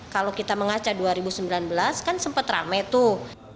kalau kita mengaca dua ribu sembilan belas kan sempat rame tuh